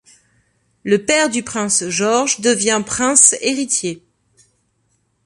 Le père du prince Georges devient prince héritier.